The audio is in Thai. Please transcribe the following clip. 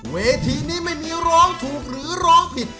เวทีนี้ไม่มีร้องถูกหรือร้องผิด